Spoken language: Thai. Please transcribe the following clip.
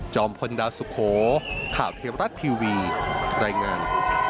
พลดาวสุโขข่าวเทวรัฐทีวีรายงาน